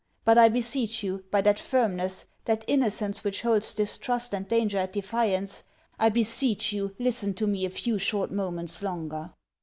But I beseech you, by that firmness, that innocence which holds distrust and danger at defiance, I beseech you listen to me a few short moments longer.'